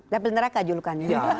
dapil neraka julukan